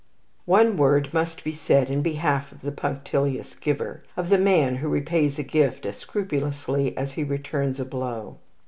One word must be said in behalf of the punctilious giver, of the man who repays a gift as scrupulously as he returns a blow.